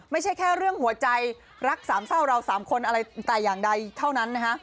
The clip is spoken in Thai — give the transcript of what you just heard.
ไม่ใช่แค่เรื่องหัวใจรักสามเศร้าเราสามคนอะไรแต่อย่างใดเท่านั้นนะฮะ